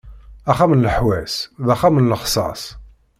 Axxam n leḥwaṣ, d axxam n lexṣas.